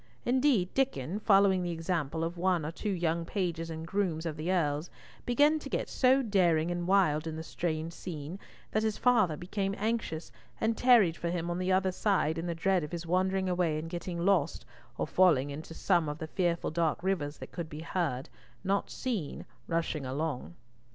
Indeed Diccon, following the example of one or two young pages and grooms of the Earl's, began to get so daring and wild in the strange scene, that his father became anxious, and tarried for him on the other side, in the dread of his wandering away and getting lost, or falling into some of the fearful dark rivers that could be heard—not seen—rushing along.